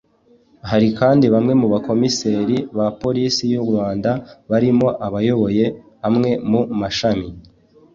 Hari kandi bamwe mu Bakomiseri ba Polisi y’u Rwanda barimo abayoboye amwe mu mashami